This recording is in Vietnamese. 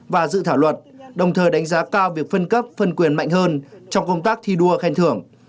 và dự thảo luật đồng thời đánh giá cao việc phân cấp phân quyền mạnh hơn trong công tác thi đua khen thưởng